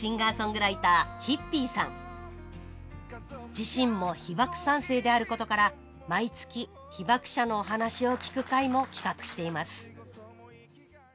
自身も被爆三世であることから毎月被爆者のお話を聞く会も企画しています